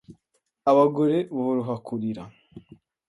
Abagore boroha kurira